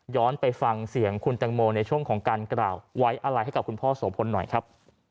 ดังนั้นไปฟังเสียงคุณเต็มโมในช่วงของการกร่าวไว้อาลัยให้กับคุณพ่อโสภนหน่อยครับ